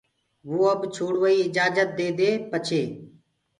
وو آپ ڇوڙوآئيٚ آجآجت ديدي پڇي